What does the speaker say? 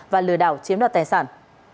và lừa đảo chiếm đoạt tài sản